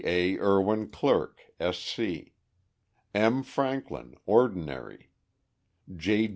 A. ERWIN CLERK, S. C., M. FRANKLIN, Ordinary J.